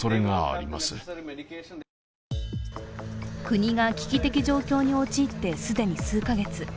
国が危機的状況に陥って既に数カ月。